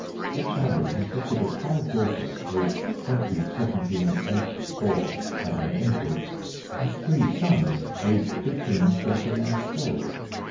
This family consisted of five daughters, aged twenty, seventeen, eight, four, and an infant; and three sons, aged fifteen, thirteen, and twelve.